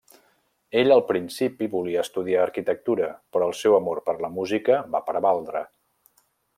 Ell, al principi, volia estudiar arquitectura, però el seu amor per la música va prevaldre.